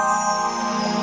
aku akan mencari